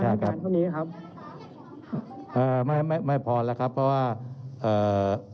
เรามีการปิดบันทึกจับกลุ่มเขาหรือหลังเกิดเหตุแล้วเนี่ย